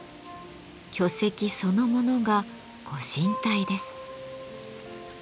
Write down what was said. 巨石そのものがご神体です。